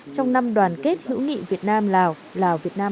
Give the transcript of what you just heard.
trong năm đoàn kết hữu nghị việt nam lào lào việt nam hai nghìn một mươi bảy